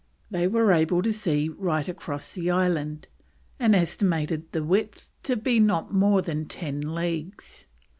They were able to see right across the island, and estimated the width to be not more than ten leagues.